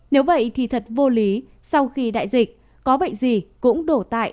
nếu vậy thì thật vô lý sau khi đại dịch có bệnh gì cũng đổ tại